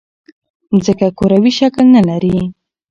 ځمکه کروی شکل نه لري.